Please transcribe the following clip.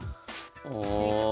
よいしょ。